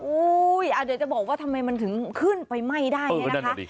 เดี๋ยวจะบอกว่าทำไมมันถึงขึ้นไปไหม้ได้เนี่ยนะคะ